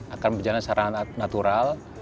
akan berjalan secara natural